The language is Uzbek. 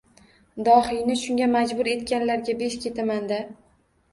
Dohiyni shunga majbur etganlarga besh ketaman-da!